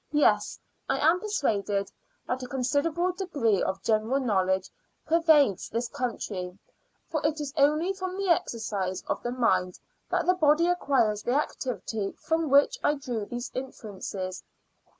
Yes, I am persuaded that a considerable degree of general knowledge pervades this country, for it is only from the exercise of the mind that the body acquires the activity from which I drew these inferences.